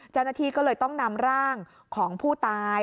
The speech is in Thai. เจ้าหน้าที่ก็เลยต้องนำร่างของผู้ตาย